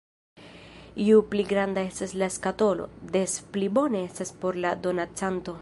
Ju pli granda estas la skatolo, des pli bone estas por la donacanto.